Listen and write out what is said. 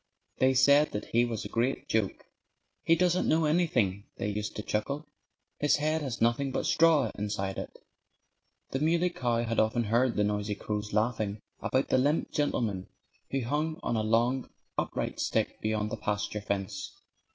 They said that he was a great joke. "He doesn't know anything," they used to chuckle. "His head has nothing but straw inside it." The Muley Cow had often heard the noisy crows laughing about the limp gentleman who hung on a long, upright stick beyond the pasture fence.